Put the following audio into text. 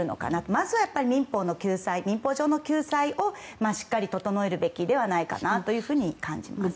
まずは民法上の救済をしっかり整えるべきではないかと感じます。